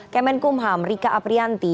kemenkumham rika aprianti